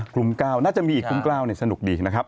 กลุ่ม๙น่าจะมีอีกกลุ่ม๙สนุกดีนะครับ